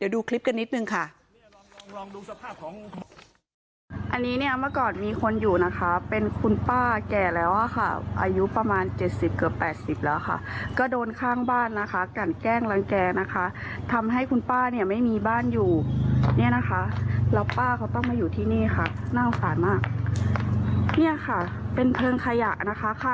เดี๋ยวดูคลิปกันนิดหนึ่งค่ะ